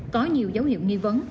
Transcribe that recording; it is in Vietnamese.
có nhiều dấu hiệu nghi vấn